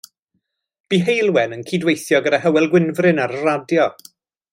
Bu Heulwen yn cydweithio gyda Hywel Gwynfryn ar y radio.